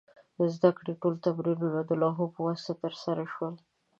د زده کړې ټول تمرینونه د لوحو په واسطه ترسره شول.